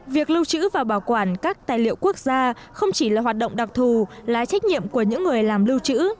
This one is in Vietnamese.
việc lưu trữ và bảo quản các tài liệu quốc gia không chỉ là hoạt động đặc thù là trách nhiệm của những người làm lưu trữ